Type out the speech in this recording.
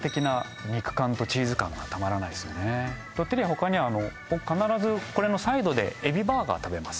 他には僕必ずこれのサイドでエビバーガー食べます